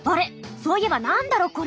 そういえば何だろこれ。